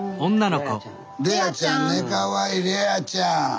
レアちゃんねかわいいレアちゃん。